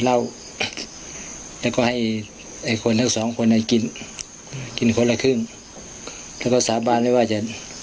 เหล้าแล้วก็ให้ไอ้คนทั้งสองคนกินกินคนละครึ่งแล้วก็สาบานเลยว่าจะ